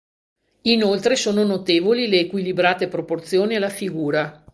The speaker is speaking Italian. Inoltre sono notevoli le equilibrate proporzioni alla figura.